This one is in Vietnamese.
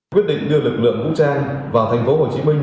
quyết định đưa lực lượng vũ trang vào thành phố hồ chí minh